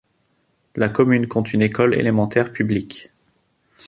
La commune compte une école élémentaire publique.